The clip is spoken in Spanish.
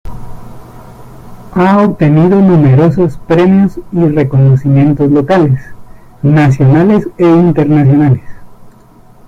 Ha obtenido numerosos premios y reconocimientos locales, nacionales e internacionales.